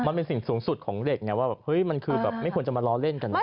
มันเป็นสิ่งสูงสุดของเด็กไงว่าแบบเฮ้ยมันคือแบบไม่ควรจะมาล้อเล่นกันนะ